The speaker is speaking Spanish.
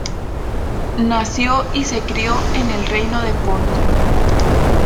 Nació y se crio en el Reino de Ponto.